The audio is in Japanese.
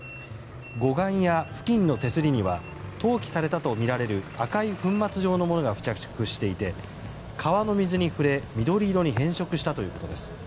護岸や付近の手すりには投棄されたとみられる赤い粉末状のものが付着していて川の水に触れ緑色に変色したということです。